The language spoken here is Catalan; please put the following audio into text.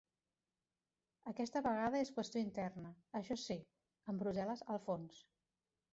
Aquesta vegada és qüestió interna, això sí, amb Brussel·les al fons.